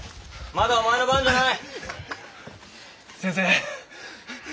まだお前の番じゃない。